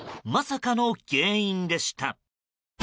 まさかの原因でした。